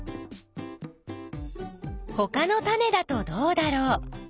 ほかのタネだとどうだろう？